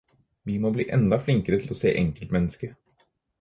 Vi må bli enda flinkere til å se enkeltmennesket.